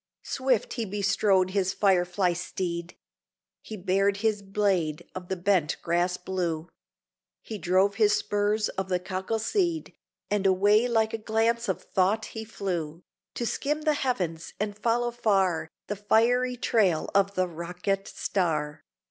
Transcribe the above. Swift he bestrode his fire fly steed; He bared his blade of the bent grass blue; He drove his spurs of the cockle seed, And away like a glance of thought he flew, To skim the heavens, and follow far The fiery trail of the rocket star.